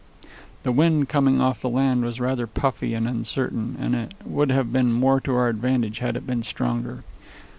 The wind, coming off the land, was rather puffy and uncertain, and it would have been more to our advantage had it been stronger.